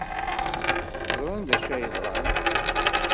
Ẓran d acu ay yeḍran.